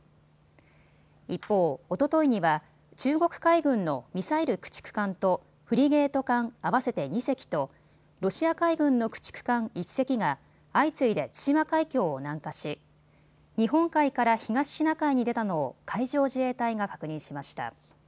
一方、おとといには中国海軍のミサイル駆逐艦とフリゲート艦、合わせて２隻とロシア海軍の駆逐艦１隻が相次いで対馬海峡を南下し日本海から東シナ海に出たのを海上自衛隊が確認しました。